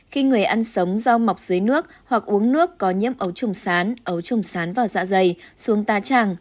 khi người ăn sống rau mọc dưới nước hoặc uống nước có nhiễm ấu trùng sán ấu trùng sán và dạ dày xuống ta tràng